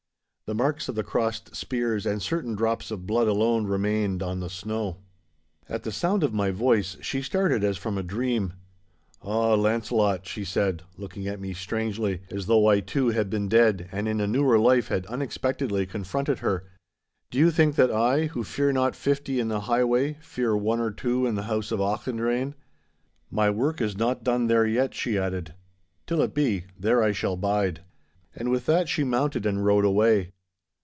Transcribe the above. The marks of the crossed spears and certain drops of blood alone remained on the snow. At the sound of my voice she started as from a dream. 'Ah, Launcelot,' she said, looking at me strangely, as though I too had been dead and in a newer life had unexpectedly confronted her, 'do you think that I, who fear not fifty in the highway, fear one or two in the house of Auchendrayne? My work is not done there yet,' she added; 'till it be, there I shall bide.' And with that she mounted and rode away.